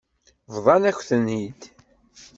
Bḍan-akent-ten-id.